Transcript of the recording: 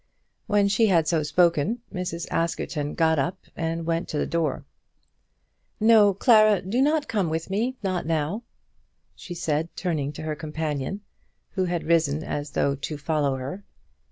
When she had so spoken Mrs. Askerton got up and went to the door. "No, Clara, do not come with me; not now," she said, turning to her companion, who had risen as though to follow her.